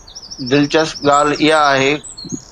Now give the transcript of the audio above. دلچسپ ڳالهه اها آهي.